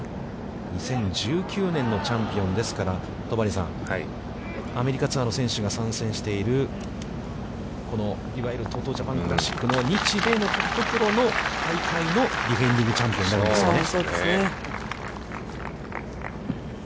２０１９年のチャンピオンですから、戸張さん、アメリカツアーの選手が参戦しているいわゆるＴＯＴＯジャパンクラシックの日米のトッププロの大会のディフェンディングチャンピオンなんですよね。